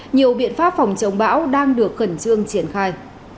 nhiều biện pháp phòng chống bão đang được khẩn trương triển khai